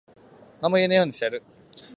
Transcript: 何も言えねぇようにしてやる。